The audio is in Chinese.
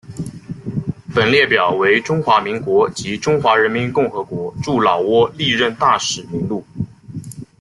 本列表为中华民国及中华人民共和国驻老挝历任大使名录。